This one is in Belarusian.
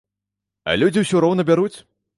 А людзі ўсё роўна бяруць!